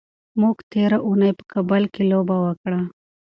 موږ تېره اونۍ په کابل کې لوبه وکړه.